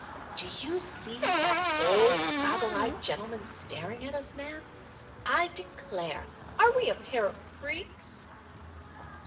"Do you see that old, goggle eyed gentleman staring at us, Nan? I declare! Are we a pair of freaks?"